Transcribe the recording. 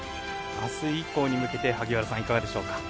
明日以降に向けて萩原さんいかがでしょうか？